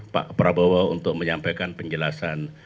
pak prabowo untuk menyampaikan penjelasan